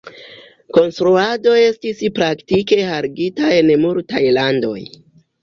Konstruado estis praktike haltigita en multaj landoj.